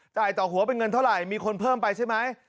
ต่อหัวเป็นเงินเท่าไหร่มีคนเพิ่มไปใช่ไหม